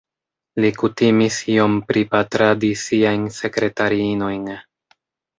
Li kutimis iom pripatradi siajn sekretariinojn.